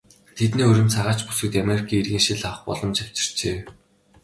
Тэдний хурим цагаач бүсгүйд Америкийн иргэншил авах боломж авчирчээ.